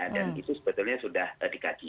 dan itu sebetulnya sudah dikaji